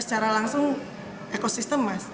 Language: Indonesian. secara langsung ekosistem mas